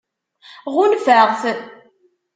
Ɣunfaɣ-t.